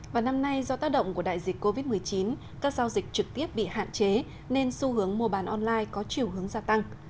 và năm nay do tác động của đại dịch covid một mươi chín các giao dịch trực tiếp bị hạn chế nên xu hướng mua bán online có chiều hướng gia tăng